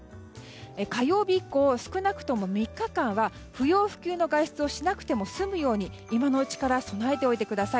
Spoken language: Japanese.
火曜日以降、少なくとも３日間は不要不急の外出をしなくても済むように今のうちから備えておいてください。